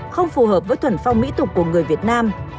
không phù hợp với thuần phong mỹ tục của người việt nam